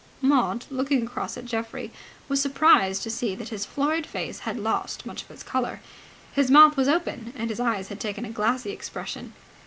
Maud, looking across at Geoffrey, was surprised to see that his florid face had lost much of its colour. His mouth was open, and his eyes had taken a glassy expression.